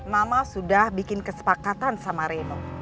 mama sudah bikin kesepakatan sama reno